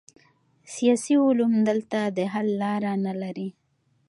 سیاسي علوم دلته د حل لاره نلري.